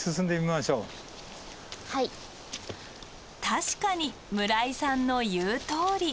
確かに村井さんの言うとおり。